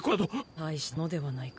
大したものではないか。